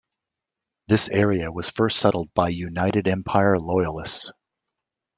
This area was first settled by United Empire Loyalists.